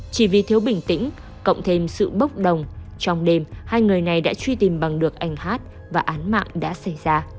chỉ vì thiếu bình tĩnh cộng thêm sự bốc đồng trong đêm hai người này đã truy tìm bằng được anh hát và án mạng đã xảy ra